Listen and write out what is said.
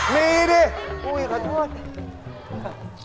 มีดิขอโทษ